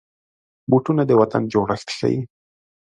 بوټونه د وطن جوړښت ښيي.